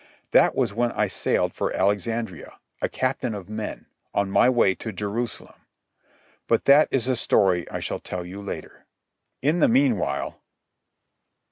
That was when I sailed for Alexandria, a captain of men, on my way to Jerusalem ... but that is a story I shall tell you later. In the meanwhile